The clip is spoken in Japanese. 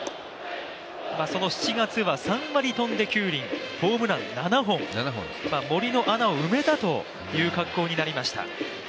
その７月は３割９厘、ホームラン７本、森の穴を埋めたという格好になりました。